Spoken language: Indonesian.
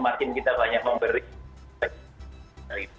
baikkan kita kan selalu dipandang